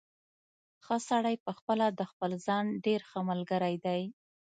ښه سړی پخپله د خپل ځان ډېر ښه ملګری دی.